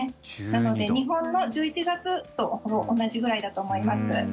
なので、日本の１１月とほぼ同じくらいだと思います。